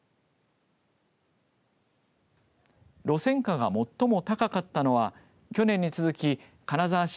路線価が最も高かったのは去年に続き金沢市